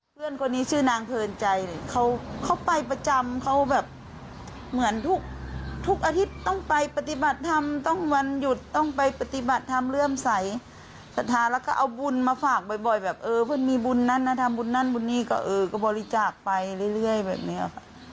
เพื่อนคนนี้ชื่อนางเพลินใจเขาไปประจำเขาแบบเหมือนทุกอาทิตย์ต้องไปปฏิบัติธรรมต้องวันหยุดต้องไปปฏิบัติธรรมเริ่มใสสัทธาแล้วก็เอาบุญมาฝากบ่อยแบบเออเพื่อนมีบุญนั่นนะทำบุญนั่นบุญนี่ก็เออก็บริจาคไปเรื่อยแบบนี้ค่ะ